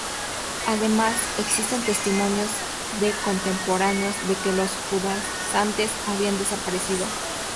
Además existen testimonios de contemporáneos de que los judaizantes habían desaparecido.